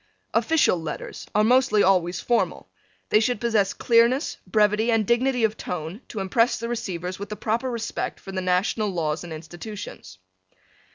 Official letters are mostly always formal. They should possess clearness, brevity and dignity of tone to impress the receivers with the proper respect for the national laws and institutions.